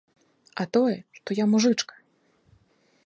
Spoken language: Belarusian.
А тое, што я мужычка.